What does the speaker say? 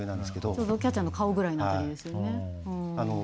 ちょうどキャッチャーの顔ぐらいの辺りですよね。